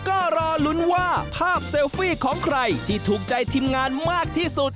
ก็รอลุ้นว่าภาพเซลฟี่ของใครที่ถูกใจทีมงานมากที่สุด